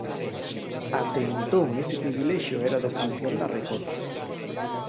Até entón ese privilexio era do campión da Recopa.